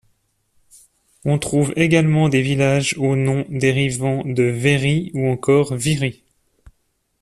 On trouve également des villages aux noms dérivant de Veyri ou encore Viry.